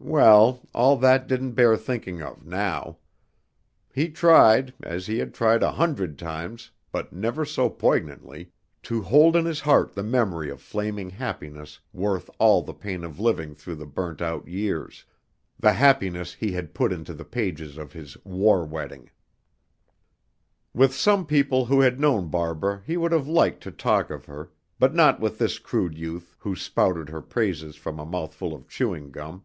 Well, all that didn't bear thinking of now! He tried, as he had tried a hundred times but never so poignantly to hold in his heart the memory of flaming happiness worth all the pain of living through the burnt out years: the happiness he had put into the pages of his "War Wedding." With some people who had known Barbara he would have liked to talk of her, but not with this crude youth who spouted her praises from a mouth full of chewing gum.